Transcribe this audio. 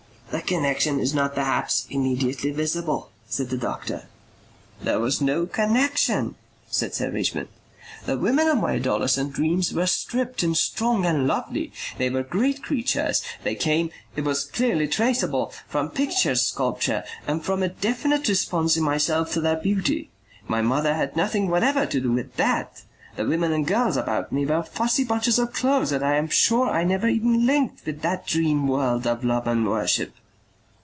"The connexion is not perhaps immediately visible," said the doctor. "There was no connexion," said Sir Richmond. "The women of my adolescent dreams were stripped and strong and lovely. They were great creatures. They came, it was clearly traceable, from pictures sculpture and from a definite response in myself to their beauty. My mother had nothing whatever to do with that. The women and girls about me were fussy bunches of clothes that I am sure I never even linked with that dream world of love and worship."